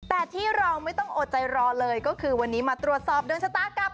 แต่ที่เราไม่ต้องอดใจรอเลยก็คือวันนี้มาตรวจสอบดวงชะตากับ